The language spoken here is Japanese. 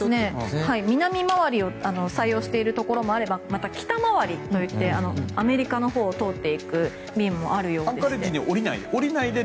南周りを採用しているところもあればまた、北回りといってアメリカのほうを通っていくアンカレッジに降りないで